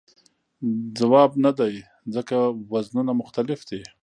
ځواب نه دی ځکه وزنونه مختلف دي.